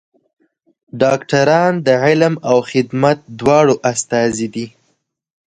ډاکټران د علم او خدمت دواړو استازي دي.